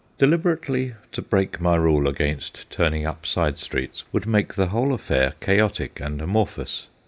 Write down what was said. Deliberately to break my rule against turning up side streets would make the whole affair chaotic and amorphous.